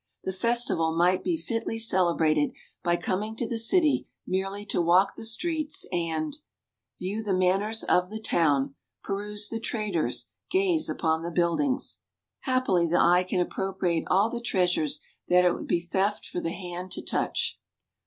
The festival might be fitly celebrated by coming to the city merely to walk the streets and "view the manners of the town, Peruse the traders, gaze upon the buildings." Happily the eye can appropriate all the treasures that it would be theft for the hand to touch.